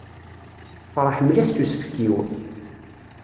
Tefreḥ mliḥ s usefk-iw.